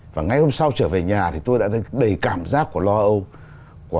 và ngay hôm sau trở về nhà thì tôi đã thấy đầy cảm giác của lo âu